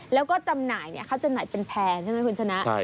แล้วก็จำหน่ายเขาจำหน่ายเป็นแพร่ใช่ไหมคุณชนะ